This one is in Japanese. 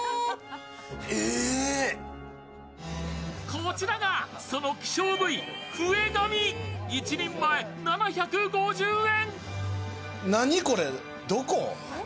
こちらがその希少部位、フエガミ１人前７５０円。